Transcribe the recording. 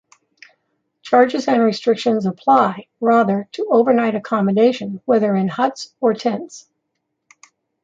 Charges and restrictions apply, rather, to overnight accommodation, whether in huts or tents.